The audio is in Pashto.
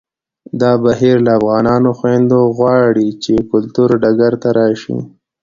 دا بهیر له افغانو خویندو غواړي چې کلتوري ډګر ته راشي